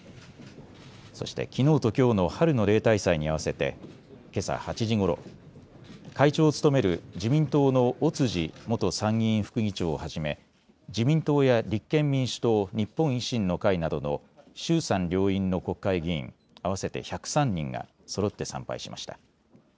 そして、きのうときょうの春の例大祭に合わせてけさ８時ごろ会長を務める自民党の尾辻元参議院副議長をはじめ自民党や立憲民主党、日本維新の会などの衆参両院の国会議員合わせて１０３人がそろって参拝しました。